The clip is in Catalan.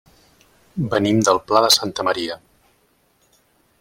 Venim del Pla de Santa Maria.